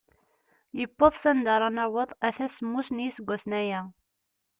Yewweḍ s anda ara naweḍ ata semmus n yiseggasen aya.